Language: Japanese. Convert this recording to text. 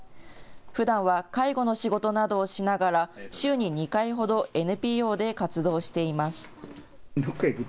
ふだんは介護の仕事などをしながら週に２回ほどＮＰＯで活動しています。